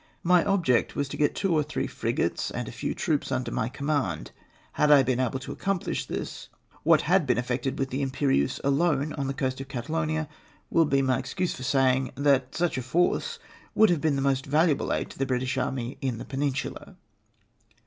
My object was to get two or three frigates and a few troops under my command. Had I been able to ac comphsh this, what had been effected with the Im perieuse alone on the coast of Catalonia will be my excuse for saying, that such a force would have been the most valuable aid to the British army in the Peninsula.